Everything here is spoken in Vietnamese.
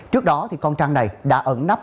trước đó con trăng này đã ẩn nắp